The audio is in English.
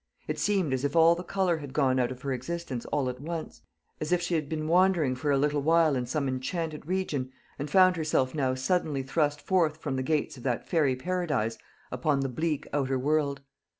It seemed as if all the colour had gone out of her existence all at once; as if she had been wandering for a little while in some enchanted region, and found herself now suddenly thrust forth from the gates of that fairy paradise upon the bleak outer world.